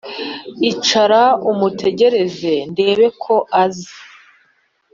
icara umutegereze ndebe ko aza